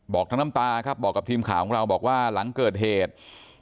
บอกทั้งน้ำตาครับบอกกับทีมข่าวของเราบอกว่าหลังเกิดเหตุ